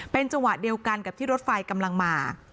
เป็นจังหวะเดียวกันกับที่รถไฟกำลังมา